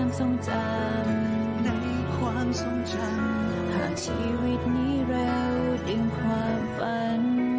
อยากชีวิตนี้เร็วที่ความฝัน